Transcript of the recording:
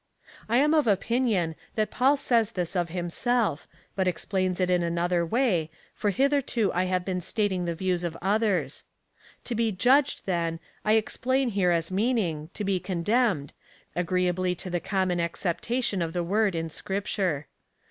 I am of opinion, that Paul says this of himself, but explains it in another way, for hitherto I have been stating the views of others. To be judged, then, I explain here as meaning — to be condemned, agreeably to the common acceptation of the word in Scripture.